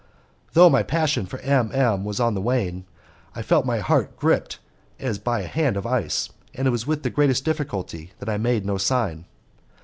Though my passion for M M was on the wane, I felt my heart gripped as by a hand of ice, and it was with the greatest difficulty that I made no sign.